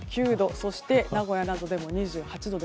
そして、名古屋などでも２８度。